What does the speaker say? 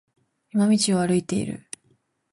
山道を歩いている。